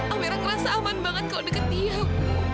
amirah ngerasa aman banget kalau deket dia bu